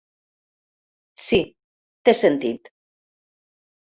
Sí, té sentit.